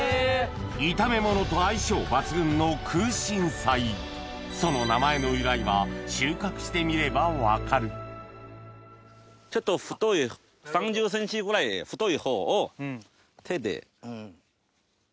炒め物と相性抜群の空心菜その収穫してみれば分かるちょっと太い３０ｃｍぐらい太い方を手で。